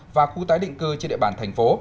và khu tái định cư trên địa bàn thành phố